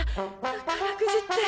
宝くじって。